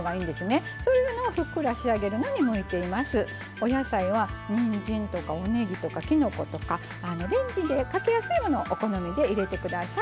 お野菜はにんじんとかおねぎとかきのことかレンジでかけやすいものをお好みで入れて下さい。